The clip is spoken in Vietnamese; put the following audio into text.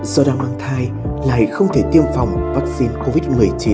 do đang mang thai lại không thể tiêm phòng vaccine covid một mươi chín